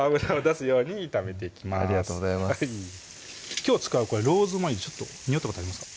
きょう使うローズマリーにおったことありますか？